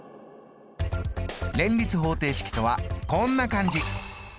連立方程式とはこんな感じ。